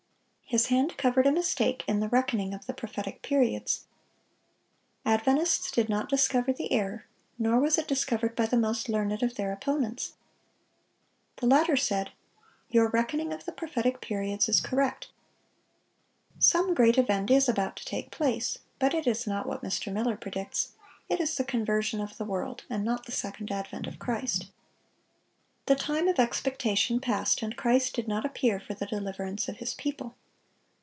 His hand covered a mistake in the reckoning of the prophetic periods. Adventists did not discover the error, nor was it discovered by the most learned of their opponents. The latter said: "Your reckoning of the prophetic periods is correct. Some great event is about to take place; but it is not what Mr. Miller predicts; it is the conversion of the world, and not the second advent of Christ."(617) The time of expectation passed, and Christ did not appear for the deliverance of His people.